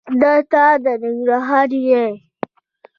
دته د ننګرهار یې؟